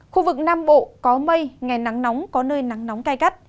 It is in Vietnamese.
khu vực nam bộ có mây ngày nắng nóng có nơi nắng nóng cay cắt